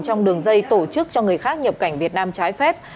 trong đường dây tổ chức cho người khác nhập cảnh việt nam trái phép